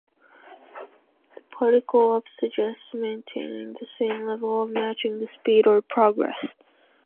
The particle "up" suggests maintaining the same level or matching the speed or progress.